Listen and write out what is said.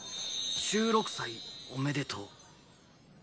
１６歳おめでとう。